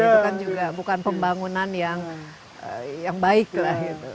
itu kan juga bukan pembangunan yang baik lah gitu